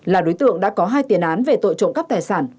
là đối tượng đã có hai tiền án về tội trộm cắp tài sản